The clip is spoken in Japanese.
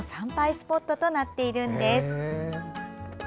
スポットとなっているんです。